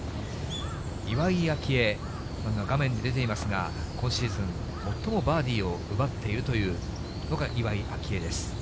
岩井明愛、画面に出ていますが、今シーズン最もバーディーを奪っているというのが岩井明愛です。